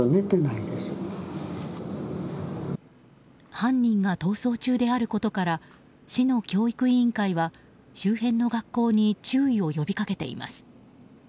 犯人が逃走中であることから市の教育委員会は周辺の学校に注意を呼び掛けています。